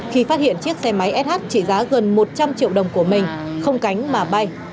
khi phát hiện chiếc xe máy sh trị giá gần một trăm linh triệu đồng của mình không cánh mà bay